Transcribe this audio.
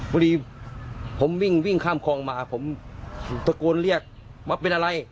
บรีผมวิ่งข้ามคลองมาผมตะโกนเรียกว่าเป็นอะไร